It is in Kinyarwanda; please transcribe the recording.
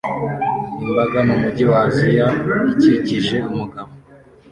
Imbaga mu mujyi wa Aziya ikikije umugabo